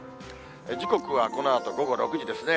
時刻はこのあと午後６時ですね。